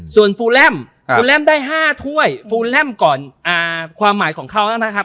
ส่วนฟูแลมฟูแลมได้๕ถ้วยฟูแลมก่อนความหมายของเขานะครับ